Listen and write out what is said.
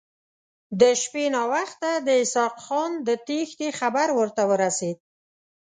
د شپې ناوخته د اسحق خان د تېښتې خبر ورته ورسېد.